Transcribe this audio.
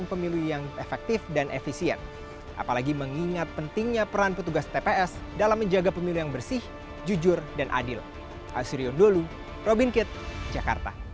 pemilu serentak dua ribu dua puluh